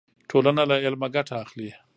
ټولنه له علمه ګټه اخلي.